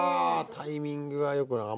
タイミングがよくない。